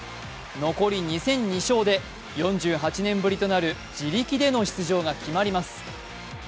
残り２戦２勝で４８年ぶりとなる自力での出場が決まります。